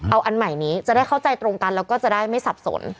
เอาอันใหม่นี้จะได้เข้าใจตรงกันแล้วก็จะได้ไม่สับสน